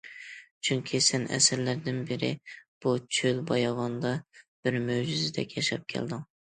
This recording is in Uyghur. چۈنكى سەن ئەسىرلەردىن بىرى بۇ چۆل- باياۋاندا بىر مۆجىزىدەك ياشاپ كەلدىڭ.